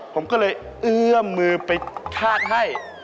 ผมก็เลยเอื้อมมือไปคาดให้